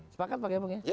sepakat pak gembong ya